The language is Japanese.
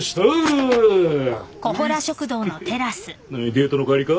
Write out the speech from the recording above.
デートの帰りか？